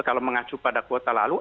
kalau mengacu pada kuota lalu